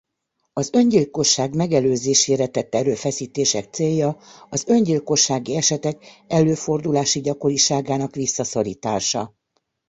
Az öngyilkosság megelőzésére tett erőfeszítések célja az öngyilkossági esetek előfordulási gyakoriságának visszaszorítása.